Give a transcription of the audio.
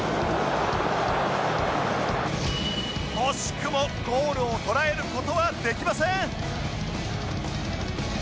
惜しくもゴールを捉える事はできません